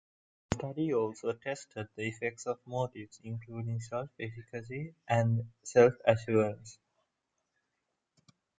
The study also tested the effect of motives, including self-efficacy and self-assurance.